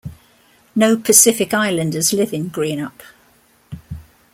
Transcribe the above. No Pacific Islanders live in Greenup.